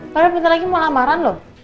padahal bentar lagi mau lamaran loh